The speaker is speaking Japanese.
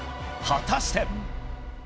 果たして？